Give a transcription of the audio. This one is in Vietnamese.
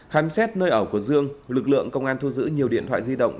khám xét nơi ở của dương lực lượng công an thu giữ nhiều điện thoại di động